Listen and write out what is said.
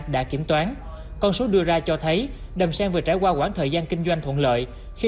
nghiệm cao con số đưa ra cho thấy đầm sen vừa trải qua quãng thời gian kinh doanh thuận lợi khi